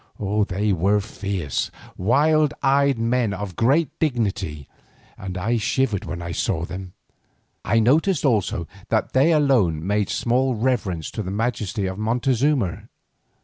They were fierce, wild eyed men of great dignity, and I shivered when I saw them. I noticed also that they alone made small reverence to the majesty of Montezuma.